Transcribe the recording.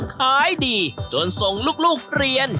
ขายดีจนส่งลูกเรียน